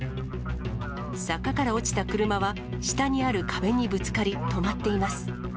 坂から落ちた車は下にある壁にぶつかり、止まっています。